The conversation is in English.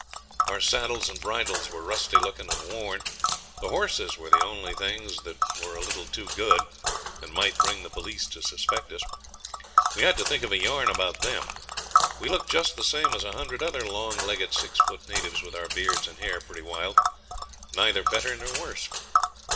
Our saddles and bridles were rusty looking and worn; the horses were the only things that were a little too good, and might bring the police to suspect us. We had to think of a yarn about them. We looked just the same as a hundred other long legged six foot natives with our beards and hair pretty wild neither better nor worse.